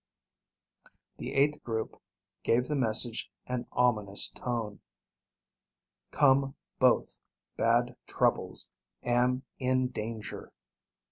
The eighth group gave the message an ominous tone. _Come both. Bad troubles. Am in danger.